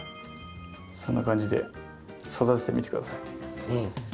そんな感じで育ててみてください。